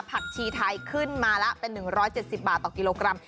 ผักชีไทยขึ้นมาละเป็น๑๗๐บาทต่อกิโลกรัม